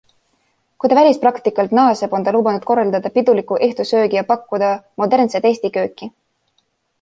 Kui ta välispraktikalt naaseb, on ta lubanud korraldada piduliku õhtusöögi ja pakkuda modernset Eesti kööki.